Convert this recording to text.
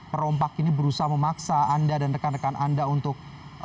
perompak ini berusaha memaksa anda dan rekan rekan anda untuk